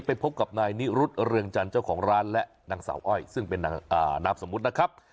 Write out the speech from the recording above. ไปพบกับนายนิรุธเรืองจันทร์เจ้าของร้านและนางสาวอ้อยซึ่งเป็นนามสมมุตินะครับ